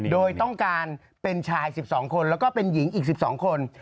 โดยต้องการเป็นชาย๑๒คนแล้วก็เป็นหญิงอีก๑๒คน